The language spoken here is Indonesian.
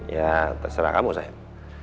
ya terserah kamu sayang